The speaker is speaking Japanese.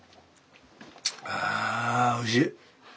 あおいしい！